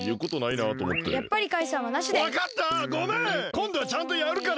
こんどはちゃんとやるから！